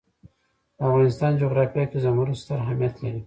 د افغانستان جغرافیه کې زمرد ستر اهمیت لري.